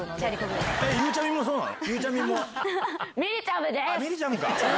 みりちゃむか。